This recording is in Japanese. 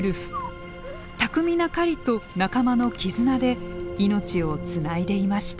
巧みな狩りと仲間の絆で命をつないでいました。